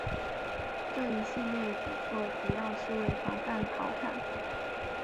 这一系列举措主要是为防范陶侃。